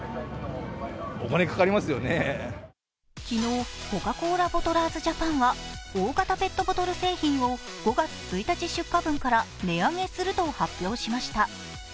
昨日、コカ・コーラボトラーズジャパンは大型ペットボトル製品を５月１日出荷分から値上げすると発表しました。